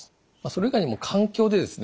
それ以外にも環境でですね